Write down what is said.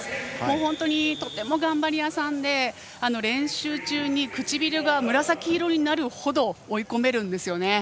本当にとても頑張り屋さんで練習中に唇が紫色になるほど追い込めるんですね。